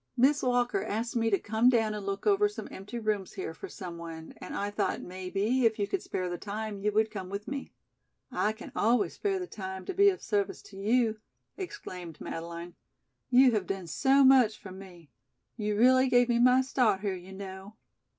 "Miss Walker asked me to come down and look over some empty rooms here for someone, and I thought, maybe, if you could spare the time you would come with me." "I can always spare the time to be of service to you," exclaimed Madeleine. "You have done so much for me. You really gave me my start here, you know."